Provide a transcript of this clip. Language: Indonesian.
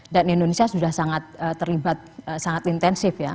dan indonesia sudah sangat terlibat sangat intensif ya